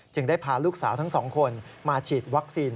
ได้พาลูกสาวทั้งสองคนมาฉีดวัคซีน